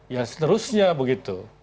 ya seterusnya begitu